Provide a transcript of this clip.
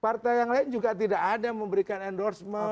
partai yang lain juga tidak ada memberikan endorsement